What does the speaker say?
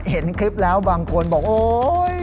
เห็นคลิปแล้วบางคนบอกโอ๊ย